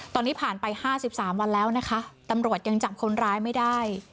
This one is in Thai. ตอนนี้ผ่านไป๕๓วันแล้วนะคะตำรวจยังจับคนร้ายไม่ได้